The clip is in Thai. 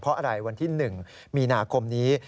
เพราะอะไรวันที่๑มีนาคมนี้